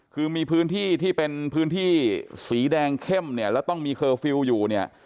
คือมีพื้นที่ที่เป็นพื้นที่สีแดงเข้มเนี่ยแล้วต้องมีเคอร์ฟิลล์อยู่เนี่ย